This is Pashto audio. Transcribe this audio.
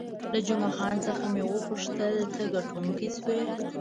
له جمعه خان څخه مې وپوښتل، ته ګټونکی شوې؟